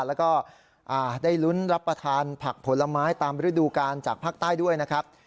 แล้วก็ได้ลุ้นรับประทานผักผลไม้ตามฤดูกาลจากภาคใต้ด้วยนะครับ